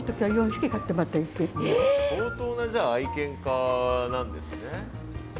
相当なじゃあ愛犬家なんですね。